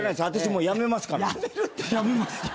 私もう辞めますから」